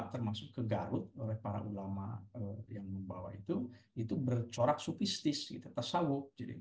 termasuk ke garut oleh para ulama yang membawa itu itu bercorak supistis tersawuk